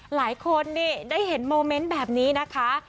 หลายคนนี่ได้เห็นโมเมนต์แบบนี้นะคะ